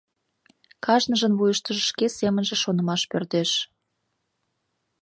Кажныжын вуйыштыжо шке семынже шонымаш пӧрдеш.